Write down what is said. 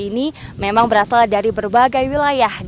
ini ter nicely take on kan pengapas dukungan anda